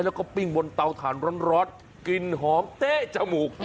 แล้วก็ปิ้งบนเตาถ่านร้อนกลิ่นหอมเต๊ะจมูก